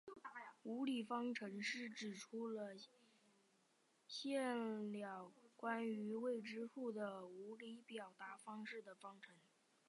无理方程是指出现了关于未知数的无理表达式的方程。